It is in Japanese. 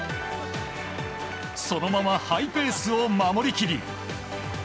そのままハイペースを守り切り。